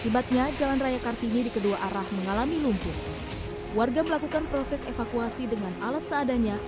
warga melakukan proses evakuasi dengan alat seadanya